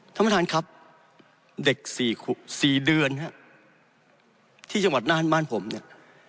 ท่านประธานครับเด็ก๔เดือนฮะที่จังหวัดน่านบ้านผมเนี่ย